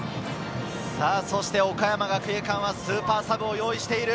岡山学芸館はスーパーサブを用意している。